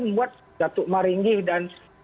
membuat datuk maringi dan